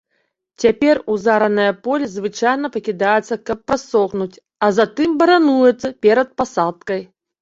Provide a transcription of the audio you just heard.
Цяпер узаранае поле звычайна пакідаецца, каб прасохнуць, а затым барануецца перад пасадкай.